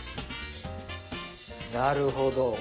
なるほど。